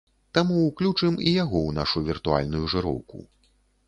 Таму ўключым і яго ў нашу віртуальную жыроўку.